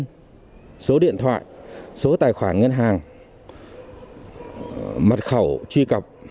tuyệt đối không cung cấp số điện thoại số tài khoản ngân hàng mật khẩu truy cập